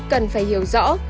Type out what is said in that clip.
cần phải hiểu rõ